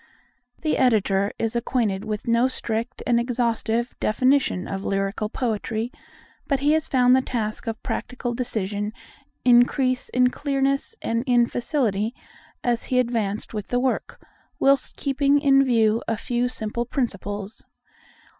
The Editor is acquainted with no strict and exhaustive definition of lyrical poetry, but he has found the task of practical decision increase in clearness and in facility as he advanced with the work, whilst keeping in view a few simple principles.